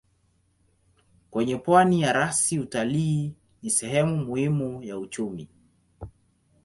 Kwenye pwani ya rasi utalii ni sehemu muhimu ya uchumi.